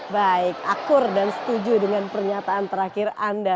baik akur dan setuju dengan pernyataan terakhir anda